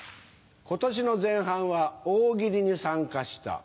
今年の前半は大喜利に参加した。